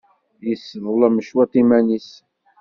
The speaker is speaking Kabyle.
Yesseḍlem cwiṭ iman-nnes.